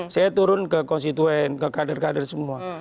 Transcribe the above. saya turun ke konstituen ke kader kader semua